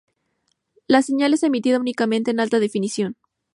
La señal es emitida únicamente en alta definición.